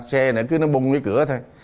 xe này cứ nó bung với cửa thôi